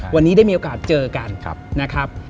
วันนี้ได้มีโอกาสเจอกันนะครับ